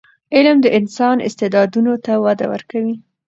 علم د انسان استعدادونو ته وده ورکوي.